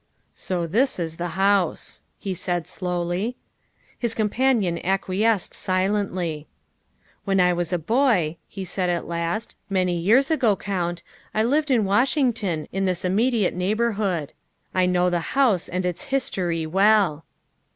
" So this is the house," he said slowly. His companion acquiesced silently. " When I was a boy," he said at last, " many years ago, Count, I lived in Washington, in this immediate neighborhood. I know the house and its history well."